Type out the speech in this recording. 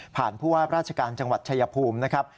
ผู้ว่าราชการจังหวัดชายภูมินะครับ